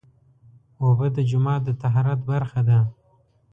اوبه د جومات د طهارت برخه ده.